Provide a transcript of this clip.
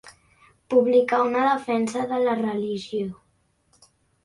Publicar una defensa de la religió.